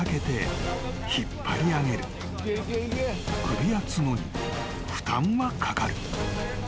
［首や角に負担はかかる］